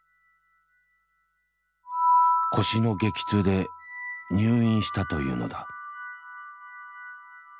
腰の激痛で入院したというのだ。